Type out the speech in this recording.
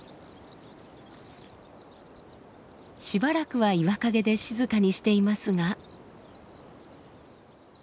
しばらくは岩陰で静かにしていますが。